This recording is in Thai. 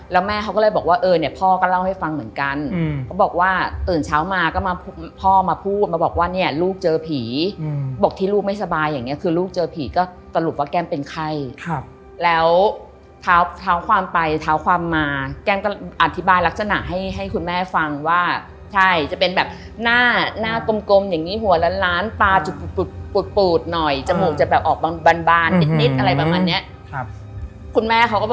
แล้วแม่เขาก็เลยบอกว่าเออเนี่ยพ่อก็เล่าให้ฟังเหมือนกันเขาบอกว่าเติมเช้ามาก็มาพ่อมาพูดมาบอกว่าเนี่ยลูกเจอผีบอกที่ลูกไม่สบายอย่างนี้คือลูกเจอผีก็ตรูปว่าแก้มเป็นใครครับแล้วเท้าความไปเท้าความมาแก้มก็อธิบายลักษณะให้คุณแม่ฟังว่าใช่จะเป็นแบบหน้าหน้ากลมกลมอย่างงี้หัวล้านล้าน